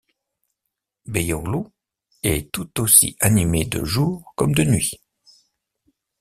Beyoğlu est tout aussi animée de jour comme de nuit.